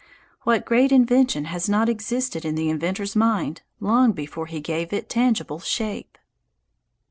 What great invention has not existed in the inventor's mind long before he gave it tangible shape?